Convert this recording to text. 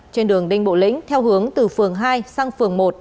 trên đường đinh bộ lĩnh theo hướng từ phường hai sang phường một